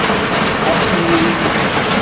Asiiri.